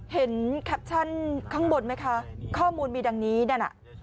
เห็นข้างบนไหมค่ะข้อมูลมีดังนี้ดังน่ะ